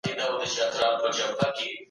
چي په منځ کي راګېر خراسان.